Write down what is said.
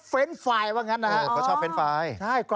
เขาชอบเฟรนท์ไฟล์